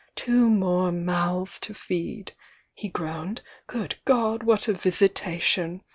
'Two more mouths to feed !' he groaned. 'Good God, what a visitation